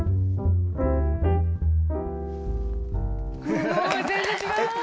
すごい全然違う。